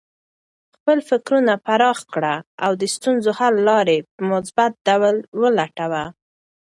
خپل فکرونه پراخه کړه او د ستونزو حل لارې په مثبت ډول ولټوه.